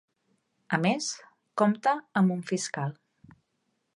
A més, compta amb un fiscal.